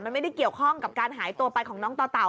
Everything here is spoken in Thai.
มันไม่ได้เกี่ยวข้องกับการหายตัวไปของน้องต่อเต่า